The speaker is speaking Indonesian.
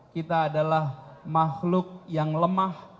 kita adalah makhluk yang lemah